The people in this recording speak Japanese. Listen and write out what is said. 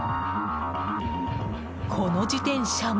この自転車も。